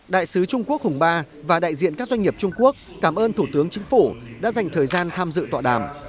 đại sứ trung quốc hùng ba và đại diện các doanh nghiệp trung quốc cảm ơn thủ tướng chính phủ đã dành thời gian tham dự tọa đàm